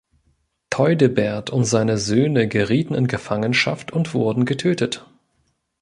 Theudebert und seine Söhne gerieten in Gefangenschaft und wurden getötet.